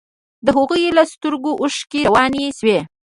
د هغوى له سترګو اوښكې روانې سوې.